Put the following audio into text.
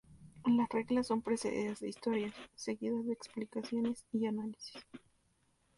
Las reglas son precedidas de historias, seguidas de explicaciones y análisis.